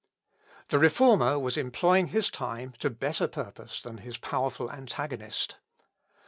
The Reformer was employing his time to better purpose than his powerful antagonist.